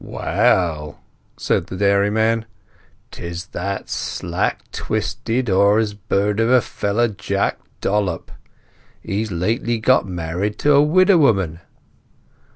"Well," said the dairyman, "'tis that slack twisted 'hore's bird of a feller, Jack Dollop. He's lately got married to a widow woman."